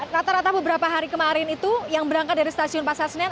rata rata beberapa hari kemarin itu yang berangkat dari stasiun pasar senen